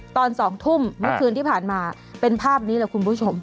ตอน๒ทุ่มเมื่อคืนที่ผ่านมาเป็นภาพนี้แหละคุณผู้ชม